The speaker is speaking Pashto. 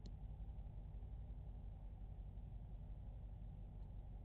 چټ جې پې ټې کندهارې لهجه زده کړه افرین ورونو او خویندو!